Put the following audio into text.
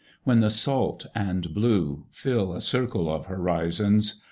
. when the salt and blue fill a circle of horizons